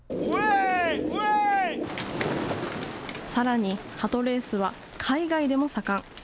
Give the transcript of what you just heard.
さらにハトレースは海外でも盛ん。